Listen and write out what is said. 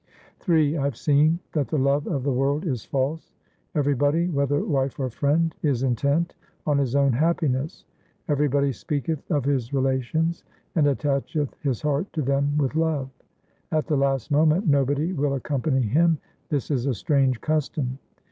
Ill I have seen that the love of the world is false ; Everybody, whether wife or friend, is intent on his own happiness ; Everybody speaketh of his relations, and attacheth his heart to them with love ; At the last moment nobody will accompany him : this is a strange custom.